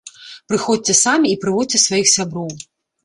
Прыходзьце самі і прыводзьце сваіх сяброў!